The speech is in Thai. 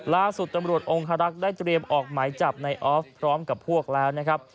ล่าสุดตำรวจองคารักษ์ได้เตรียมออกหมายจับในออฟพร้อมกับพวกแล้วนะครับ